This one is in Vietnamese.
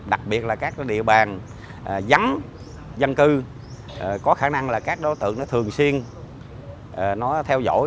đặc biệt là các địa bàn dắn dân cư có khả năng là các đối tượng nó thường xuyên nó theo dõi